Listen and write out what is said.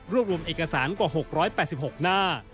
รวมรวมเอกสารกว่า๖๘๖หน้า